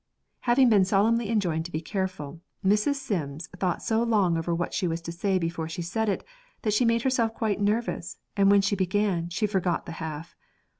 Having been solemnly enjoined to be careful, Mrs. Sims thought so long over what she was to say before she said it, that she made herself quite nervous, and when she began, she forgot the half.